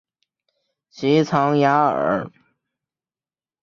吉藏雅尔。